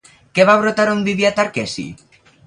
Què va brotar on vivia Tarqueci?